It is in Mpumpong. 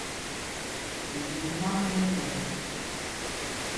Mɛɗyuu māk mɛ́ ɛnwɔɔnwɔŋ.